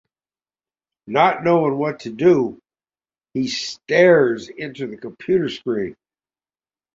Not knowing what to do, he stares into the computer screen.